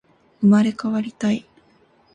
生まれ変わりたい